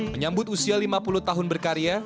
menyambut usia lima puluh tahun berkarya